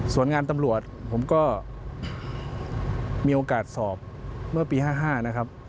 ส่วนงานตำรวจผมก็มีโอกาสสอบเมื่อปี๕๕นะครับ